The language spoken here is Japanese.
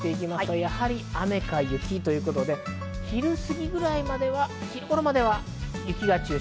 やはり雨か雪ということで、昼過ぎぐらいまでは昼頃までは雪が中心。